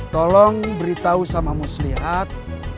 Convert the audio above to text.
tolong beritahu sama muslihat